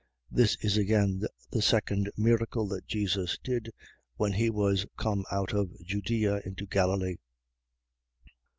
4:54. This is again the second miracle that Jesus did, when he was come out of Judea. into Galilee.